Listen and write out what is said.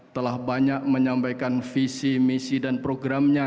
telah banyak menyampaikan visi misi dan programnya